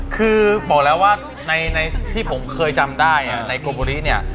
คือบอกแล้วว่าในที่ผมเคยจำได้ในโกบุรีเนี่ย